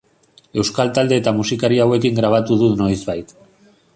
Euskal talde eta musikari hauekin grabatu du noizbait.